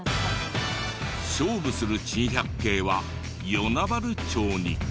勝負する珍百景は与那原町に。